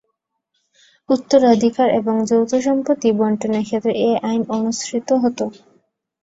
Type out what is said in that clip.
উত্তরাধিকার এবং যৌথ-সম্পত্তি বণ্টনের ক্ষেত্রে এ আইন অনুসৃত হতো।